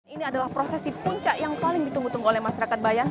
ini adalah prosesi puncak yang paling ditunggu tunggu oleh masyarakat bayan